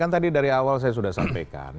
kan tadi dari awal saya sudah sampaikan